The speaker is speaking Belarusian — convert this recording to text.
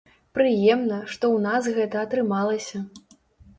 Прыемна, што ў нас гэта атрымалася.